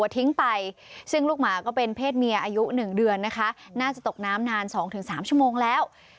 ทิ้งไปซึ่งลูกหมาก็เป็นเพศเมียอายุ๑เดือนนะคะน่าจะตกน้ำนาน๒๓ชั่วโมงแล้ว